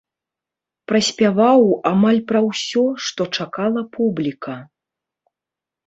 Праспяваў амаль пра ўсё, што чакала публіка.